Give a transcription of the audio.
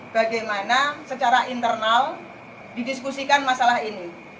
bagaimana secara internal didiskusikan masalah ini